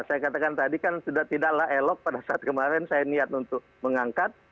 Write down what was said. saya katakan tadi kan sudah tidaklah elok pada saat kemarin saya niat untuk mengangkat